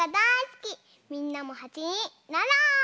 みんなもはちになろう！